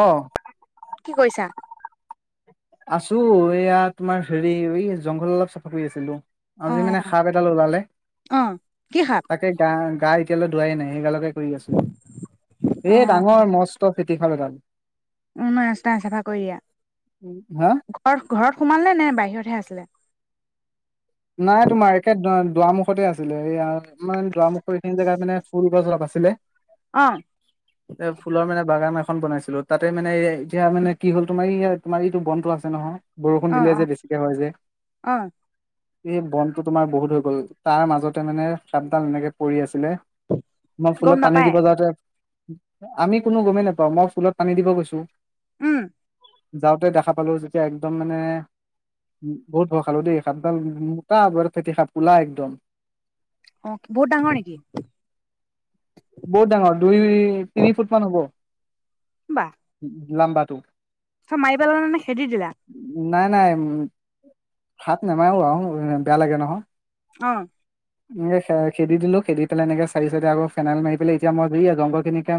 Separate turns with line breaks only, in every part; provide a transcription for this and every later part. অ
কি কৰিছা
আছো এইয়া তোমাৰ হেৰি এই জংঘল অলপ চাফা কৰি আছিলো আজি মানে
অ',
সাপ এডাল ওলালে
অ', কি সাপ?
তাকে গা গাই এতিয়ালৈকে ধোৱাই নাই এইগালকে এই ডাঙৰ মস্ত ফে কিহৰ লগত
উ ন ৰাস্তা চাফা কৰি
উম, হা
ঘৰ ঘৰত সোমালে নে বাহিৰতহে আছিলে?
নাই তোমাৰ একে দুৱমুখতে আছিলে এইয়া মানে দুৰামখ এইখিনি জেগা মানে ফুলগছ অলপ আছিলে
অ',
এ ফুলৰ মানে বাগান আছে। খন বনাইছিলো তাতে মানে এতিয়া মানে কি হ'ল তোমাৰ ই তোমাৰ এইটো বনটো আছে নহয় বৰষুণ
অ',
দিলে
অ',
যে বেছিকে হয় যে।
অ',
সেই বনটো তোমাৰ বহুত হৈ গ'ল তাৰ মাজতে মানে সাপদাল এনেকে পৰি আছিলে। মই
গম
ফুলত পানী
নাপায়?
দিব যাওঁতে আমি কোনো গমেই নাপাওঁ মই ফুলত পানী দিব গৈছোঁ।
উম।
যাওঁতে দেখা পালোঁ যেতিয়া একদম মানে উ বহুত ভয় খালো দেই এইখন মোটা বৰ ফেতি সাপ‌ কোলা‌ একদম।
অ' বহুত ডাঙৰ নেকি?
বহুত ডাঙৰ
বাহ,
উম। লাম্বাটো
চব মাৰি পেলানে নে খেদি দিলা?
নাই নাই সাপ নমায়ো আৰু বেয়া লাগে নহয়।
অ'।
এনেকে খেদি দিলো খেদি পেলাই এনেকে চাৰি চাৰি আকৌ ফেনাইল মাৰি পেলাই এতিয়া মই জই জংঘল খিনিকে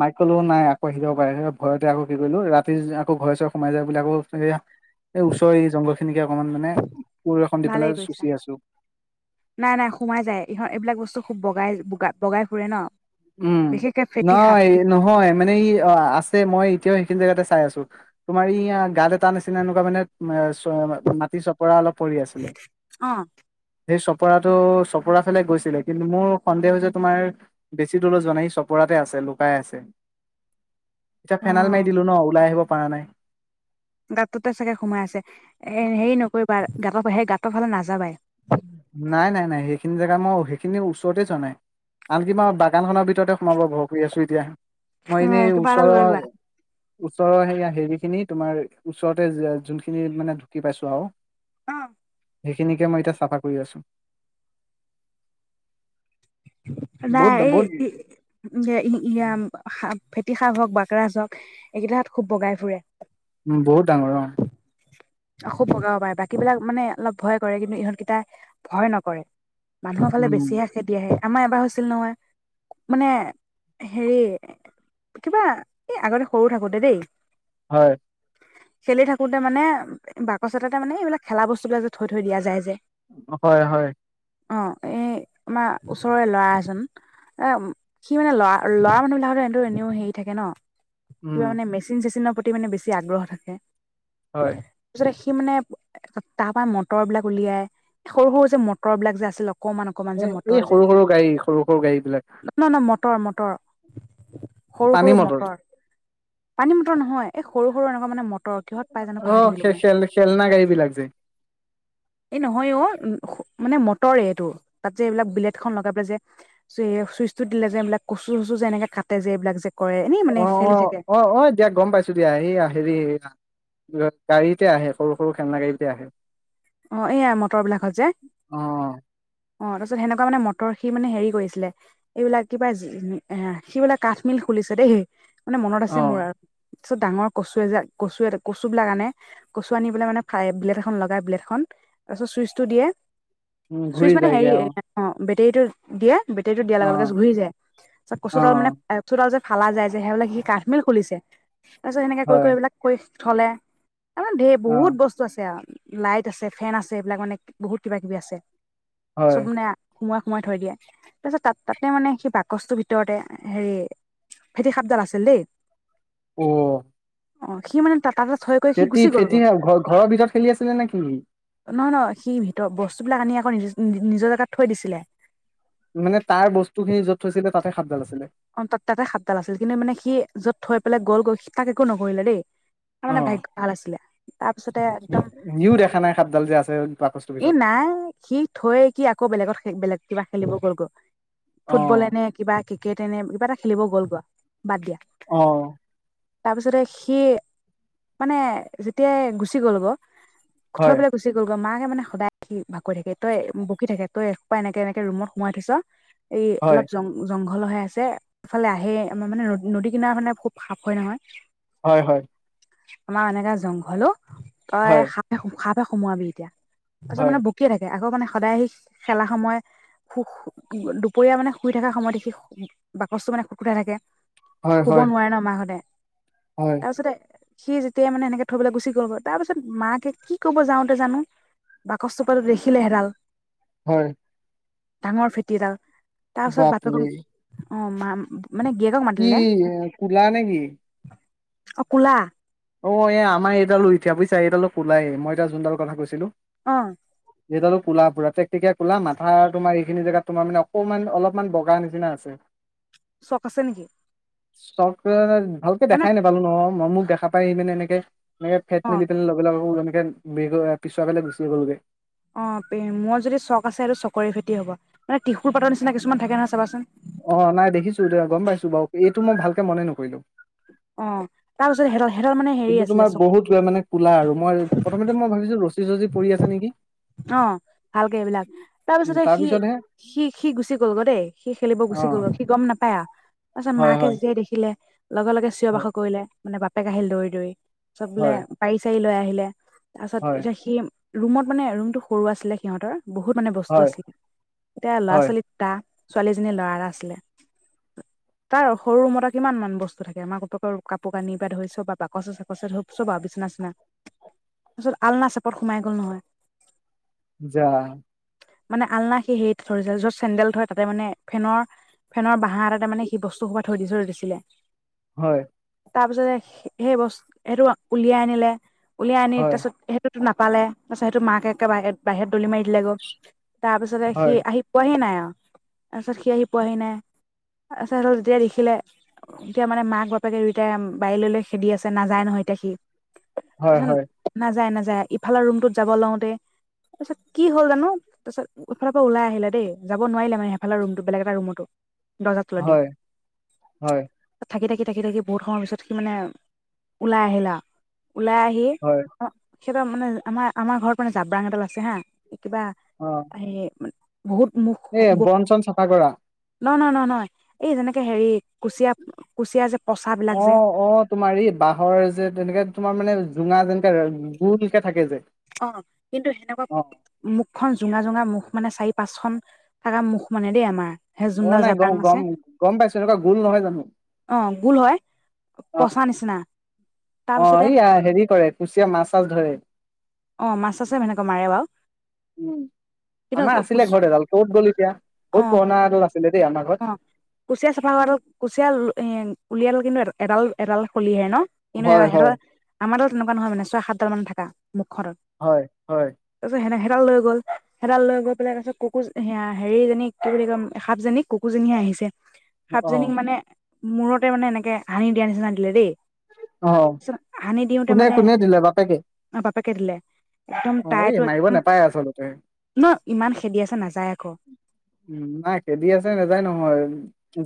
মাইক কলোও নাই আকৌ সি দিব পাৰে ভয়তে আকৌ কি কৰিলো ৰাতি আকৌ ঘৰ চৰে সোমাই যায় বুলি আকৌ এই ওচৰ এই জংঘল খিনিকে অকমান মানে পৰিৱেশন দি পেলাই
ভালেই কৰিছা।
চুচি আছো।
নাই, নাই সোমাই যায় ইহঁ এইবিলাক বস্তু খুব বগাইগা বগাই ফুৰে ন।
উম
বিশেষকে ফেটি
নহ
সাপ ফেট
নহয় মানে ই অ' আছে মই এতিয়াও সেইখিনি জেগাতে চাই আছো তোমাৰ ই গাত এটা নিচিনা এনেকুৱা মানে মাতি চপৰা অলপ‌ পৰি‌ আছে
অ',
চপৰাটো চপোৰা ফালে গৈছিলে কিন্তু মোৰ সন্দেহ হৈছে তোমাৰ বেছি দূৰলৈ যোৱা নাই চপৰাতে আছে লুকাই আছে। এতিয়া ফেনাইল মাৰি দিলো ন ওলাই আহিব পৰা নাই
গাতটোতে চাগে সোমাই আছে এ হেৰি নকৰিবা গাঁত সেই গাঁতৰ ফালে নাযাবাই।
নাই নাই নাই সেইখিনি জেগা মই সেইখিনি ওচৰতে যোৱা নাই আনকি মই বাগান খনৰ ভিতৰতে সোমাব ভয় কৰি আছোঁ এতিয়া। মই এনে
অ', কিবা এটা
উচৰ
লৈ লোৱা।
ওচৰৰ সে হেৰি খিনি তোমাৰ ওচৰতে যোনখিনি মানে ঢুকি পাইছোঁ আৰু
অ'।
সেইখিনিকে মই এতিয়া চাফা কৰি আছোঁ
নাই এই ইয়া হা ফেটি সাপ হওক বাকৰাজ হওক এইকেইটা হেত খুব বগাই ফুৰে
উ বহুত ডাঙৰ অ
অসু প্ৰকাৰ পায় বাকীবলাক মানে অলপ ভয় কৰে কিন্তু ইহঁতকেইটা ভয় নকৰে মানুহৰ ফালে
উম
বেছিহে খেদি আহে আমাৰ এবাৰ হৈছিল নহয় মানে হেৰি কিবা এই আগতে সৰু থাকোতে দেই
হয়
খেলি থাকোঁতে মানে ব বাকচ এটাতে মানে এইবিলাক খেলা বস্তুবিলাক যে থৈ থৈ দিয়া যায় যে
হয় হয়
অ এই আমাৰ ওচৰৰে ল'ৰা এজন এ সি মানে ল'ৰা ল'ৰা মানুহবিলাকলে এটো এনেও হেৰি থাকে ন কিবা
উম
মানে মেচিন চেচিনৰ প্ৰতি প্ৰতি মানে বেছি আগ্ৰহ থাকে
হয়
সি মানে তাৰ পৰা মটৰ বিলাক উলিয়াই সৰু সৰু যে মটৰ বিলাক যে আছিল অকমান অকমান
এ
যে মটৰ
এই
যে
সৰু সৰু গাড়ী সৰু সৰু গাড়ী বিলাক
ন ন মটৰ মটৰ সৰু সৰু মটৰ পানী মটৰ নহয় এই সৰু সৰু এনেকুৱা মানে মটৰ মটৰ কিহত পাই জানোঁ
অ
পাহৰি থাকিলো
খে
মই
খেল খেলনা গাড়ী বিলাক যে
এই নহয় অ মানে মটৰে এইটো তাত যে এইবিলাক বেলদ খন লগাই পেলাই যে চ চুইচটো দিলে যে এইবিলাক কচু চচু যে এনেকে কাটে যে এইবিলাক যে কৰে এনেই মানে
অ অ
খেলি থাকে
অ অ দিয়া গম পাইছো দিয়া এই হেৰি গাড়ীতে আহে সৰু সৰু খেলনা গাড়ীতে আহে
অ এইয়াই মটৰ বিলাকত যে
অ
অ তাৰপিছত সেনেকুৱা মানে ম তৰ সি মানে হেৰি কৰিছিলে এইবিলাক কিবা এ সিবিলাক কাঠমিল খুলিছে দেই মানে মনত
অ
আছে মোৰ আৰু তাৰ ডাঙৰ কচু এ যে কচু এ কচু বিলাক আনে কচু আনি পেলায় মানে ব্লেট এখন লগাই ব্লেটখন খন তাৰপিছত চুইচটো দিয়ে
উম
চুইচ
ঘূৰি
মানে হেৰি
যায়গে অ
বেটেৰীটো দিয়ে বেটেৰিটো দিয়াৰ
অ
লগে লগে ঘূৰি যায় তছ
অ
কচুডাল মানে কচুডাল যে ফালা যায় যে সেইবিলাক সি কাঠমিল খুলিছে তাৰ পিছত সেনে কৰি
হয়
কৰি এইবিলাক ক থলে আমাৰ ঢেইৰ
অ
বহুত বস্তু আছে ইয়াত লাইট আছে ফেন আছে এইবিলাক মানে বহুত কিবা কিবি আছে
হয়
চব মানে সোমোৱাই সোমাৱাই থৈ দিয়ে তাৰপিছত তাত তাতে মানে সি বাকচটোৰ ভিতৰতে হেৰি ফেঁটী সাপডাল আছিল দেই
অহ
অ সি মানে টা
ফেঁটী, ফেঁটী সাপ ঘৰ ঘৰৰ ভিতৰত খেলি আছিলে নে কি?
নহয় নহয় সি ভিতৰৰ বস্তুবিলাক আনি আকৌ নিজ নিজৰ জেগাত থৈ দিছিলে
মানে তাৰ বস্তু খিনি য'ত থৈছিলে তাতে সাপডাল আছিলে
অ তাত তাতে সাপডাল আছিল কিন্তু মানে সি য'ত থৈ পেলাই গ'ল গৈ সি তাক একো নকৰিলে দেই তাৰ মানে ভাগ্য ভাল আছিলে
সিয়ো দেখা নাই সাপডাল যে আছে বাকচটোৰ
এ
ভিতৰত
নাই সি থৈ সি আকৌ বেলেগত বেলেগ কিবা খেলিব গ'ল গৈ
অ
ফুটবলে নে কিবা? ক্ৰিকেটে নে কিবা এটা খেলিব গ'ল গৈ বাদ দিয়া!
অহ!
তাৰপিছতে সি মানে যেতিয়াই গুচি গ'ল গে থৈ
হয়
পেলাই গুচি গল মাকে মানে সদায় সি ভালপোৱা থাকে তাই বকি থাকে তই এসোপা এনেকে এনেকে ৰুমত সোমাই থৈছ এই
হয়
অলপ জং জংঘল বহল হৈ আছে ইফালে আহেই মানে নদী কিনাৰ মানে খুব সাপ হয় নহয়
হয় হয়
আমাৰ এনেকা জংঘল অ তই
হয়
সা সাপে সোমোৱাবি এতিয়া তাৰপিছত
হয়
মানে বকিয়ে থাকে আকৌ মানে সদায় সি খেলা সময় সুখ দুপৰীয়া মানে শুই থকা সময়ত সি বাকচটো মানে খুতকুঠা থাকে
হয়
শুব
হয়
নোৱাৰে ন মা হতে
হয়
তাৰপিছতে সি যেতিয়াই মানে এনেকে থৈ পেলাই গুচি গল গৈ তাৰ পিছত মাকে কি কব যাওঁতে জানো বাকচ চপাতত দেখিলে হেৰাল
হয়।
ডাঙৰ ফেটিডাল তাৰ পিছত বাকচত
বাপৰে
অ' মা মানে গিয়েকক
কি
মাতিলে
কোলা নেকি?
অ' কোলা।
অ' এ আমাৰ এইডালো উঠা পিছা এইডালো ওল আহে মই এটা যোনডাল কথা কৈছিলো।
অ'।
যিহেতালো কলা বুৰা টে টেকীয়া কলাথা তোমাৰ এইখিনি জেগাত তোমাৰ মানে অকমান অলপমান বগা নিচিনা আছে।
চখ আছে নেকি?
[inaudible] ভালকে
মানে
দেখাই নাপালো ন। মই মুখ দেখা পাৰি মানে এনেকে মানে ফেট
অ
মিলি মিলাই লগ হ পিছা মিনি গুচি গ'লগৈ
অ দি হ'ব তিষুৰ পাতৰ নিচিনা কিছু মান থাকে নহয় চাবাচোন।
তোক মই ভালকে মনে নকৰিলো।
অ' তাৰ পিছত হে সিহঁতৰ মানে হেৰি
কিন্তু
আছিলে
তোমাৰ
চ
বহুত মানে কোলা আৰু মই প্ৰথমতে মই ভাবিছো ৰছী চচি পৰি আছে নেকি
অ' ভালকে এইবিলাক তাৰ
উ
পিছতে সি
পিছতহে
সি সি গুচি গলগ দেই সি খেলিব
অ
গুচি গল গ সি গম নাপায়া তাৰ পিছত
হয়
মাকে
হয়
যেতিয়াই দেখিলে লগে লগে চিঞৰ
হয়
বাসৰ কৰিলে মানে বাপেক আহিল দৌৰি দৌৰি। চবলে
হয়
গাড়ী চাৰি লৈ আহিলে। [unintelligible] তাৰপিছত
হয়
এতিয়া সি ৰুমত মানে ৰুমটো সৰু আছিলে সিহঁতৰ বহুত মানে বস্তু
হয়
আছিল এতিয়া ল'ৰা
হয়
ছোৱালী দুটা ছোৱালী জনীৰ লৰা আছিলে তাৰ সৰু ৰুমত কিমান মান বস্তু থাকে মাক বাপেক কাপোৰ কানি বা ধৰিছব বা বাকচে চাকচে ধৰ চব আৰু বিচনা চচনা তাৰপিছত আলনা চেপত সোমাই গল নহয়।
যা
মানে আলনা সি হেৰিত থৰিছিলে যত চেণ্ডেল থৰে তাতে মানে ফেনৰ ফেনৰ বাহা এটা ততে মানে সি বস্তু সোপ থৈ দি থৰি দিছিলে।
হয়।
তাৰ পিছতে সেই বস্তু সেইটো উলিয়াই আনিলে উলিয়াই আনি তাৰ
হয়
পিছতেইটো তো নাপালে তাৰপিছতেইটো মাক একে বাহ বাহিৰত দলি মাৰি দিলে গৈ তাৰ পিছত সি
হয়
আহি পোৱাহি নাই আৰু তাৰপিছত সি আহি পোৱাহি নাই তাৰপিছত যেতিয়া দেখিলে এতিয়া মানে মাক বাপ বাপেক দুয়োটাই বাৰী ললে খেদি আছে নাযায় নহয় এতিয়া
হয়
সি
হয়
নাযায় নাযায় ইফালৰ ৰুমটোত যাব লওতে তাৰপিছত কি হ'ল জানো তাৰপিছত ইফালৰ পৰা ওলাই আহিলে দেই যাব নোৱাৰিলে মানে সেইফালৰ ৰুম বেলেগ এটা ৰুমতো দৰ্জাৰ তলেদি
হয় হয়
থাকি থাকি থাকি থাকি বহুত সময়ৰ পিছত সি মানে ওলাই আহিলা ওলাই আহি
হয়
অহ সিহঁতৰ মানে আমাৰ আমাৰ ঘৰত মানে জাব্ৰাং এডাল আছে হা কিবা সেই
এহ বন চন চাফা কৰা
নহ নহ নহ নহয় এই যেনেকে হেৰি কুচিয়া কুচিয়া যে পচাবিলাক যে
অহ অহ তোমাৰ ই বাঁহৰ যে তেনেকে তোমাৰ মানে জুঙা যেনকে গো নিচিনা থাকে যে
অহ কিন্তু সেনেকুৱা
অ
মুখখন জোঙা জোঙা মুখ মানে চাৰি পাঁচখন থকা মুখ মানে দেই আমাৰ সেই
অহ
যোনডাল
নাই গম
জাব্ৰাং আছে
গম গম পাইছো এনেকুৱা গোল নহয় জানো,
অ গোল হয়
অহ
পচা নিচিনা তাৰ
অহ
পিছতে
এইয়া হেৰি কৰে কুচিয়া মাছ চাছ ধৰে।
অহ মাছ আছে সেনেকৈ মাৰে বাও
উম আমাৰ আছিলে ঘৰ এডাল কত গ'ল এতিয়া বহুত পুৰনা এডাল আ
অহ কুচিয়া চাফা কৰা কুচিয়া উলিয়াল কিন্তু এ এডাল এডাল খলিহে নহ কিনো
হয় হয়
[unintelligible] আমাৰ ডা তেনেকুৱা নহয় মানে ছয় সাতডাল মান থকা মুখ খনত
হয় হয়
তাৰ পিছত হেনেকে ডাল লৈ গ'ল হেডাল লৈ গৈ পিনে তাৰপিছত কুকুৰজনীক হেৰি জনীক সাপ জনীক কুকুজনীয়ে আহিছে
অ
সাপজনীক মানে মূৰতে মানে এনেকে হানি দিয়া নিচিনানি দিলে দেই
অ
আ দিওঁতে
কোনে
মানে
কোনে দিলে বাপেকে
বাপেকে দিলে একদম
অ এই
তাইতো
মাৰিব
একদম,
নাপায় আচলতে
ন ইমান খেদি আছে নাযায় আকৌ
উম নাই খেদি আছে নাযায় নহয়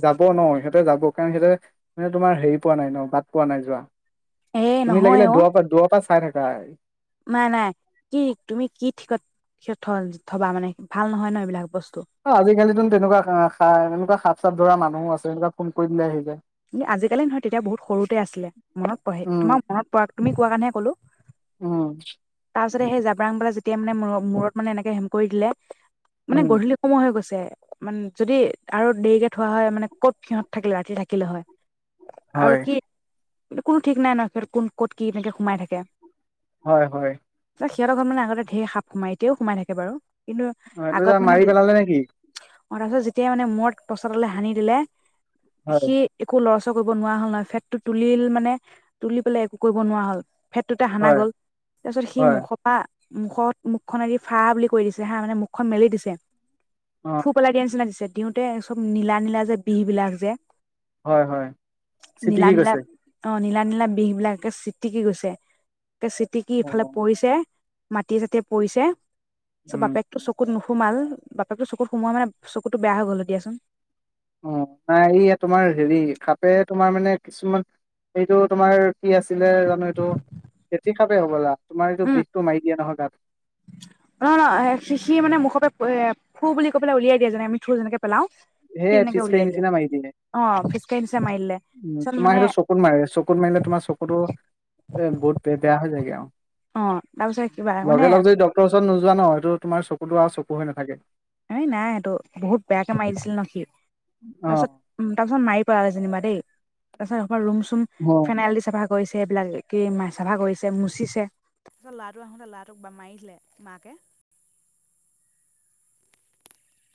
যাব নহ সিহঁতে যাব কাৰণ সিহঁতে মানে তোমাৰ হেৰি পোৱা নাই নহ বাট পোৱা নাই যোৱা
এ
তুমি
নহয়
লাগিলে
অ
দুৱৰ পৰা দুৱাৰ পৰা চাই থাক প্ৰায়
নাই, নাই কি তুমি কি ঠিক থিক থ, থ'বা মানে ভাল নহয় ন' এইবিলাক বস্তু
অ', আজিকালিতোন তেনেকুৱা এনেকুৱা হাফ চাপ ধৰা মানুহ আছে সনোক ফোন কৰি দিলে আহি যায়।
কিন্তু আজিকালি নহয় তেতিয়া বহুত সৰুতে আছিলে মনত পহে
উম
তোমাৰ মনত পৰা তুমি কোৱা কাৰণেহে ক'লো।
উম।
তাৰপিছতে সেই জাবৰাংবলা যেতিয়া মানে ম মূৰত মানে এনেকে হেম কৰি দিলে মানে
উম
গধূলি সময় হৈ গৈছে। মানে যদি আৰু দেৰিকে থোৱা হয় মানে ক'ত সিহঁত থাকিলেহে ৰাতি থাকিলে। থাকিলে হয়।
হয়
আৰু কি? একো ঠিকনা নাই কোন ক'ত কি এনেকে সোমাই থাকে।
হয়, হয়।
সিহঁতৰ ঘৰৰ মানে আগতে ঢেৰ সাপ সোমাই এতিয়াও সোমাই বাৰু। কিন্তু
অ', এইটো
আগত
সাপ
মানে
মাৰি পেলালে নেকি?
অ', যেতিয়া মানে মট প্ৰচাৰলৈ সানি দিলে।
হয়,
সি একো লষ্ট একো কৰিব নোৱাৰা হ'ল ফেটটো তুলি মানে তুলি পেলাই একো কৰিব নোৱাৰা হ'ল। সেইটোতে সানা
হয়,
গ'ল, তাৰপিছত সি
হয়,
মুখপা মুখত মুখখন এদি ফা বুলি কৈ দিছে হা মানে মুখখন মেলি দিছে। থু
অ',
পেলাই দিয়া নিচিনা দিছে। দিওঁতে চব নীলা নীলা যে বিহ বিলাক যে।
হয়, হয়
নীলা
চিটিকি
নীলা
গৈছে।
অ নীলা নীলা বিষ বিলাক একে চিটিকি গৈছে। তে চিটিকি ইফালে
অ',
পৰিছে। মাটি চাতিয়ে পৰিছে। চ
উম,
বাপেক তো চকু নুশ সোমাল বাপেকতোৰ চকুত সোমোৱা মানে চকুতো বেয়া হৈ গ'লো দিয়াচোন।
অ', নাই এই তোমাৰ হেৰি সাপে তোমাৰ মানে কিছুমান এইটো তোমাৰ কি আছিলে জানো এইটো ফেটি সাপে হ'বলা। তোমাৰ এইটো বিষটো মাৰিদিয়ে নহয় গাত।
অ', অ', সি, সি, মানে মুখৰ পৰা থু, বুলি কৈ পেলাই উলিয়াই দিয়ে যেনে আমি থু, থুৰ যেনেকে পেলাও। সি
সেয়ে
তেনেকে
ফিচকাৰীৰ
উলিয়াই
নিচিনা মাৰি দিয়ে
অ ফিচকাৰি নিচিনা মাৰি দিলে
উম,
তাৰপিছত
তোমাৰ
মানে
সেইটো চকুত মাৰে চকুত মাৰিলে তোমাৰ চকুতো এ বহুত বেয়া হৈ যায়। [inaudible]
অ' তাৰপিছত কিবা মানে
ত নোযোৱা ন এইটো তোমাৰ চকুতো আৰু চকু হৈ নাথাকে
এ নাই সেটো বহুত বেয়াকে মাৰি দিছিলে ন সি।
অ',
তাৰপিছত উম তাৰপিছত মাই যেনিবা দেই তাৰপাছত ৰুম চুম
অ'।
ফেইল দি চাফা কৰিছে এইবিলাক কি মাই চাফা কৰিছে মুচিছে